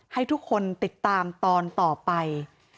ให้ทุกคนติดตามตอนต่อไป